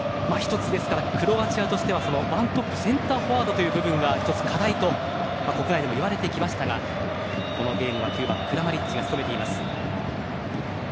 ですから１つクロアチアとしては１トップセンターフォワードという部分が１つ、課題と国内でも言われてきましたがこのゲームは９番クラマリッチが攻めています。